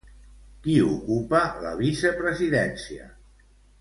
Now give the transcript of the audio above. Qui ocupa la vicepresidència?